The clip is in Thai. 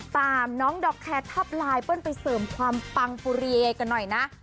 ตามน้องดอกแคร์ท็อปไลน์เปิ้ลไปเสริมความปังปุรีเอกันหน่อยนะ